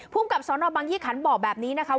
กับสนบังยี่ขันบอกแบบนี้นะคะ